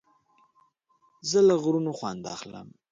زه له غرونو خوند اخلم.